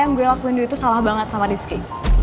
yang gue lakuin dulu itu salah banget sama rizky